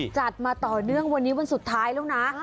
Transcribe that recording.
จัดมาต่อเนื่องวันนี้วันสุดท้ายแล้วนะ